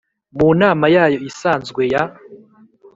Mu nama yayo isanzwe ya